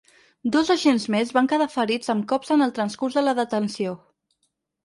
Dos agents més van quedar ferits amb cops en el transcurs de la detenció.